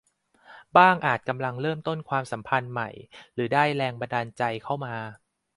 บ้างอาจกำลังเริ่มต้นความสัมพันธ์ใหม่ หรือได้แรงบันดาลใจเข้ามา